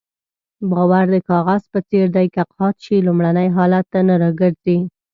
باور د کاغذ په څېر دی که قات شي لومړني حالت ته نه راګرځي.